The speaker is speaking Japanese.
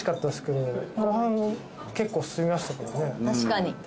確かに。